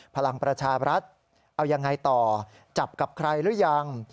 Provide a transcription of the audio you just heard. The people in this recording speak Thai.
พลังประชาบรัฐเอายังไงต่อจับกับใครหรือยัง